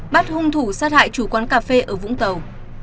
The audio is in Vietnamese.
bắt hung thủ sát hại chủ quán cà phê ở vũng tàu